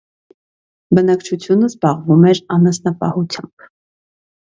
Բնակչությունը զբաղվում էր անասնապահությամբ։